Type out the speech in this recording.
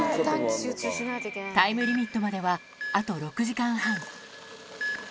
タイムリミットまでは、あと６時間半。